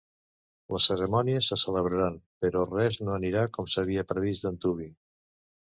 Les cerimònies se celebraran, però res no anirà com s’havia previst d’antuvi.